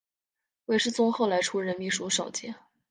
韦士宗后来出任秘书少监。